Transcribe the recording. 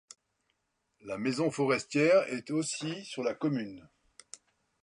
La maison forestière est aussi sur la commune.